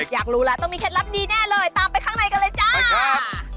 อยากรู้แล้วต้องมีเคล็ดลับดีแน่เลยตามไปข้างในกันเลยจ้า